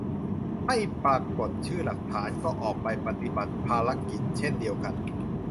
ไม่ปรากฏชื่อหลักฐาน ก็ออกไปปฏิบัติภารกิจเช่นเดียวกัน